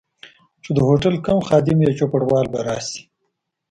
چي د هوټل کوم خادم یا چوپړوال به راشي.